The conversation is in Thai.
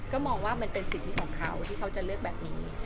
ก็มองว่ามันเป็นสิทธิของเขาที่เขาจะเลือกแบบนี้